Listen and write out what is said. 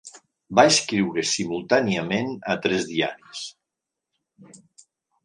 Va escriure simultàniament a tres diaris.